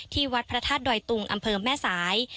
วัดพระธาตุดอยตุงอำเภอแม่สาย